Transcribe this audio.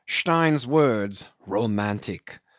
Stein's words, "Romantic!